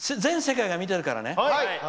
全世界が見てるからね。